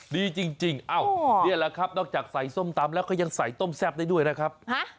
ดีจริงนี่แหละครับนอกจากใส่ส้มตำแล้วก็ยังใส่ต้มแซ่บได้ด้วยนะครับ